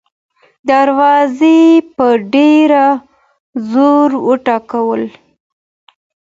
دروازه يې په ډېر زور وټکوله.